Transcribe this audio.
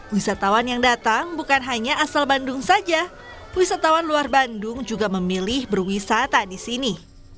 wisatawan yang datang bukan hanya asal bandung saja wisatawan luar bandung juga memilih berwisata di sini